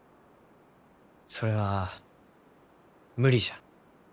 それは無理じゃ。